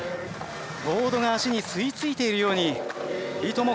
ボードが足に吸いついているようにいとも